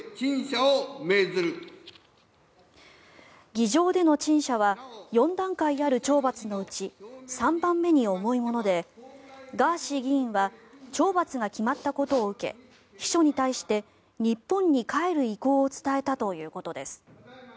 議場での陳謝は４段階ある懲罰のうち３番目に重いものでガーシー議員は懲罰が決まったことを受け秘書に対して日本に帰る意向を伝えたということです。